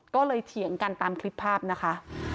ก็เลยเถียงกันตามคลิปภาพนะคะ